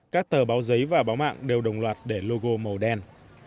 các tờ báo giấy và báo mạng đều đồng loạt để logo màu đen